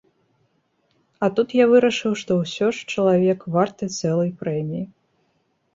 А тут я вырашыў, што ўсё ж чалавек варты цэлай прэміі.